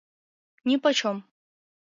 Нипочем!..